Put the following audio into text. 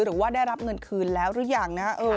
หรือว่าได้รับเงินคืนแล้วหรือยังนะฮะ